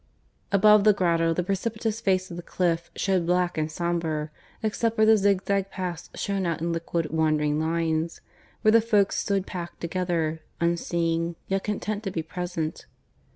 Above the grotto the precipitous face of the cliff showed black and sombre, except where the zigzag paths shone out in liquid wandering lines, where the folks stood packed together, unseeing, yet content to be present.